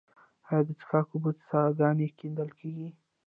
آیا د څښاک اوبو څاګانې کیندل کیږي؟